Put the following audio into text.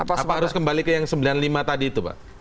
apa harus kembali ke yang sembilan puluh lima tadi itu pak